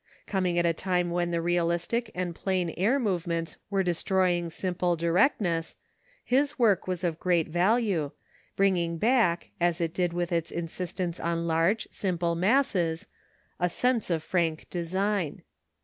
Coming at a time when the realistic and plain air movements were destroying simple directness, his work was of great value, bringing back, as it did with its insistence on large, simple masses, a sense of frank design.